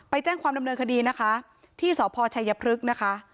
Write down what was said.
แจ้งความดำเนินคดีนะคะที่สพชัยพฤกษ์นะคะ